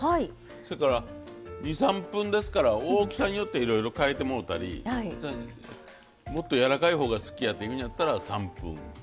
それから２３分ですから大きさによっていろいろ変えてもうたりもっとやわらかいほうが好きやというんやったら３分。